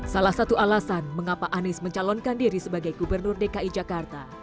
salah satu alasan mengapa anies mencalonkan diri sebagai gubernur dki jakarta